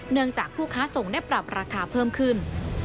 จากผู้ค้าส่งได้ปรับราคาเพิ่มขึ้น